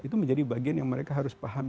itu menjadi bagian yang mereka harus paham